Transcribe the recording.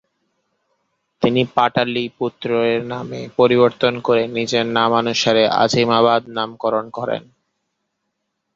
তিনি পাটলিপুত্রের নাম পরিবর্তন করে নিজের নামানুসারে আজিমাবাদ নামকরণ করেন।